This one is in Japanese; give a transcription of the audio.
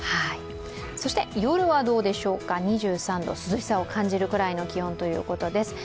そして夜はどうでしょうか、２３度、涼しさを感じるくらいの気温ということですね。